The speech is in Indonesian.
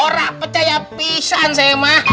orang percaya pisah mas